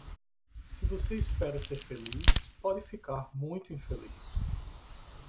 Se você espera ser feliz, pode ficar muito infeliz.